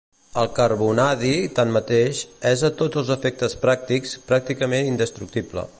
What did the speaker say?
El carbonadi, tanmateix, és a tots els efectes pràctics, pràcticament indestructible.